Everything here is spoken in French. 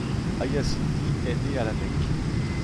Hayat Sindi est née à La Mecque.